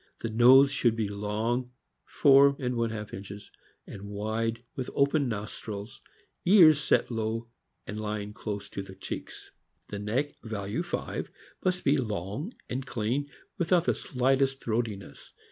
The nose should be long (four and one half inches) and wide, with open nostrils. Ears set on low and lying close to the cheeks. The neck (value 5) must be long and clean, without the slightest throatiness.